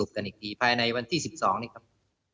กันอีกทีภายในวันที่๑๒นี่ครับ